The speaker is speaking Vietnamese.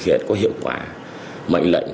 hiện có hiệu quả mạnh lệnh